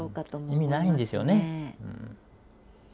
意味ないんですよねうん。